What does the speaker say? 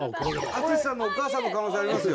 淳さんのお母さんの可能性ありますよ。